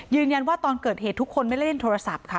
ยืนยันว่าตอนเกิดเหตุทุกคนไม่ได้เล่นโทรศัพท์ค่ะ